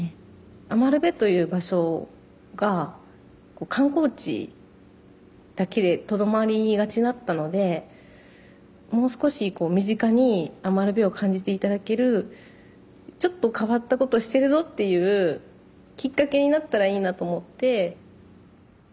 余部という場所が観光地だけでとどまりがちだったのでもう少し身近に余部を感じて頂けるちょっと変わったことしてるぞっていうきっかけになったらいいなと思って。